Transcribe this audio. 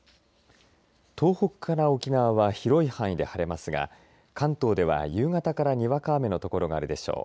東北から沖縄は広い範囲で晴れますが関東では夕方からにわか雨のところがあるでしょう。